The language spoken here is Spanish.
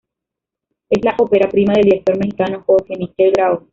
Es la ópera prima del director mexicano Jorge Michel Grau.